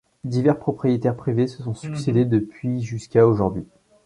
Divers propriétaires privés se sont succédé depuis jusqu'à aujourd'hui.